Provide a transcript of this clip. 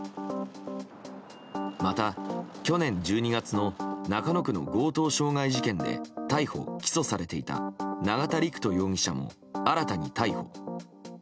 また、去年１２月の中野区の強盗傷害事件で逮捕・起訴されていた永田陸人容疑者も新たに逮捕。